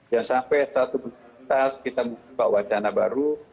jangan sampai satu tuntas kita mencoba wacana baru